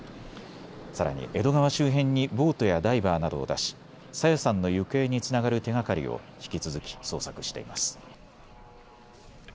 さらに江戸川周辺にボートやダイバーなどを出し、朝芽さんの行方につながる手がかりを引き続き捜索しています。